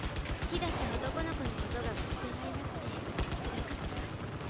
好きだった男の子のことが忘れられなくてつらかった。